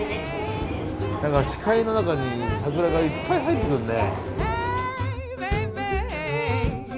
何か視界の中に桜がいっぱい入ってくるね。